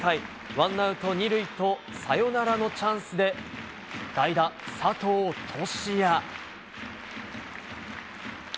ワンアウト２塁とサヨナラのチャンスで代打、佐藤都志也。